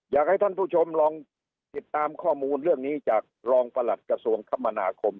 อยากให้ท่านผู้ชมลองติดตามข้อมูลเรื่องนี้จากรองประหลัดกระทรวงคมนาคม